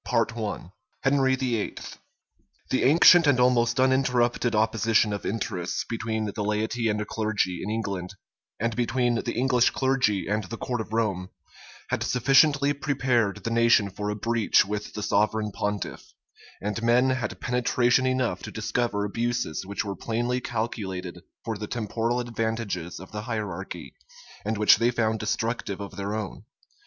CHAPTER XXXI. HENRY VIII. {1534.} The ancient and almost uninterrupted opposition of interests between the laity and clergy in England, and between the English clergy and the court of Rome, had sufficiently prepared the nation for a breach with the sovereign pontiff; and men had penetration enough to discover abuses which were plainly calculated for the temporal advantages of the hierarchy, and which they found destructive of their own.